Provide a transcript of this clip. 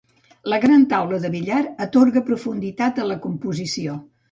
La gran taula de billar atorga profunditat a la composició.